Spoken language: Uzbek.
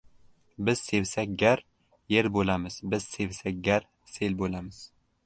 • Biz sevsak gar, yer bo‘lamiz, biz sevsak gar, sel bo‘lamiz.